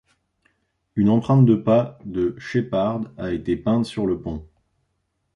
Une empreinte de pas de Shepard a été peinte sur le pont.